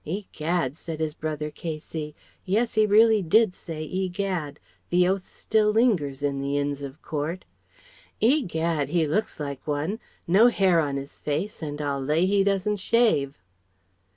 "Egad" said his brother K.C. yes, he really did say "Egad," the oath still lingers in the Inns of Court "Egad, he looks like one. No hair on his face and I'll lay he doesn't shave."